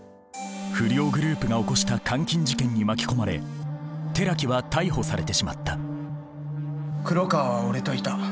不良グループが起こした監禁事件に巻き込まれ寺木は逮捕されてしまった黒川は俺といた。